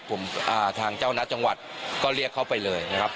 ทางเจ้าหน้าจังหวัดก็เรียกเขาไปเลยนะครับ